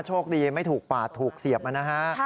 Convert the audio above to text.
โชคดีไม่ถูกปาดถูกเสียบมานะฮะ